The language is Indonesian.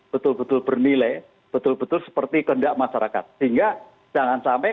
betul betul bernilai betul betul seperti kehendak masyarakat sehingga jangan sampai